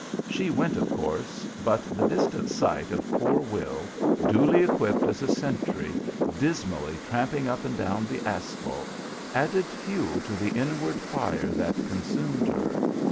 She went, of course; but the distant sight of poor Will, duly equipped as a sentry, dismally tramping up and down the asphalt, added fuel to the inward fire that consumed her.